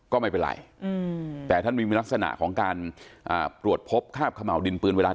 ก็ไม่เป็นไรแต่ท่านมีลักษณะของการตรวจพบคาบขม่าวดินปืนเวลา